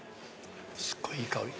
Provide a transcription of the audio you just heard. すごいいい香り。